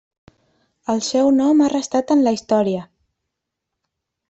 El seu nom ha restat en la història.